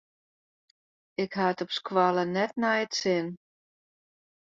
Ik ha it op skoalle net nei it sin.